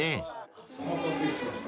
お待たせしました。